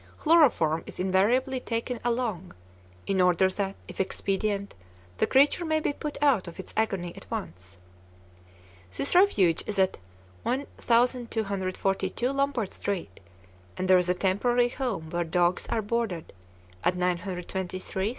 Chloroform is invariably taken along, in order that, if expedient, the creature may be put out of its agony at once. This refuge is at 1242 Lombard Street, and there is a temporary home where dogs are boarded at 923 South 11th Street.